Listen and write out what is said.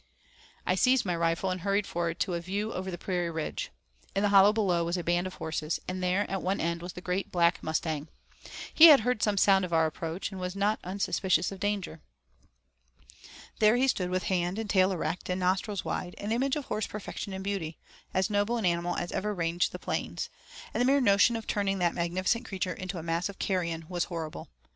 I seized my rifle, and hurried forward to a view over the prairie ridge. In the hollow below was a band of horses, and there at one end was the Great Black Mustang. He had heard some sound of our approach, and was not unsuspicious of danger. There he stood with head and tail erect, and nostrils wide, an image of horse perfection and beauty, as noble an animal as ever ranged the plains, and the mere notion of turning that magnificent creature into a mass of carrion was horrible.